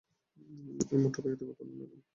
এটা মোটেও ব্যক্তিগত নয়, ম্যাডাম।